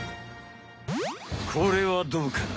これはどうかな？